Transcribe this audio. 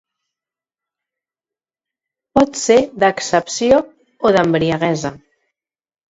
Pot ser d'excepció o d'embriaguesa.